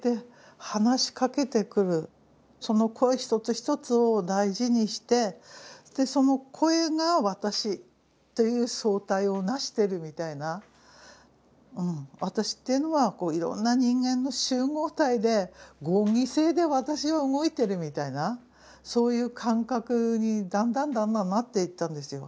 その声一つ一つを大事にしてその声が私という総体を成してるみたいな私というのはいろんな人間の集合体で合議制で私は動いてるみたいなそういう感覚にだんだんだんだんなっていったんですよ。